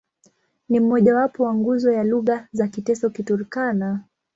Ni mmojawapo wa nguzo ya lugha za Kiteso-Kiturkana.